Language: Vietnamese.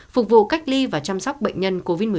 phục vụ cách ly và chăm sóc bệnh nhân covid một mươi chín